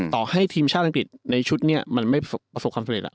ตัวอังกฤษในชุดนี้มันไม่ประสบความสำเร็จล่ะ